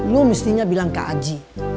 lu mestinya bilang ke aji